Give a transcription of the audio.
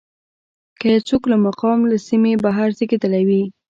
که یو څوک له مقام له سیمې بهر زېږېدلی وي.